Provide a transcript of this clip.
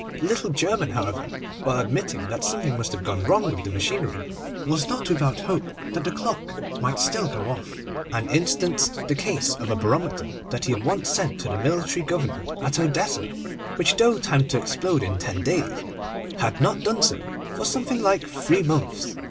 The little German, however, while admitting that something must have gone wrong with the machinery, was not without hope that the clock might still go off, and instanced the case of a barometer that he had once sent to the military Governor at Odessa, which, though timed to explode in ten days, had not done so for something like three months.